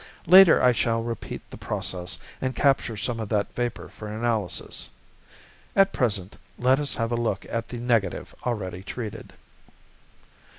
Later I shall repeat the process and capture some of that vapor for analysis. At present, let us have a look at the negative already treated."